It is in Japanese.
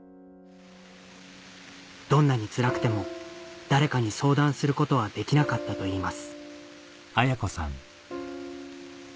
どんなにつらくても誰かに相談することはできなかったといいます